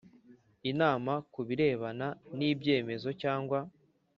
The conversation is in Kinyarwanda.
Inama ku birebana n ibyemezo cyangwa